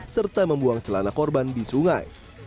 serta membuang celana korban di sungai